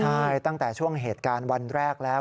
ใช่ตั้งแต่ช่วงเหตุการณ์วันแรกแล้ว